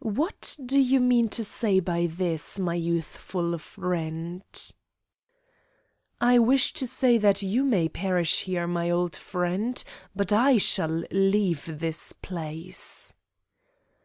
"What do you mean to say by this, my youthful friend?" "I wish to say that you may perish here, my old friend, but I shall leave this place."